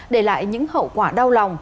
để lại những hậu quả đau lòng